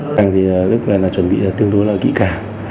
thành thì lúc này là chuẩn bị tương đối lợi kỹ cả